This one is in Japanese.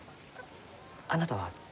あなたは？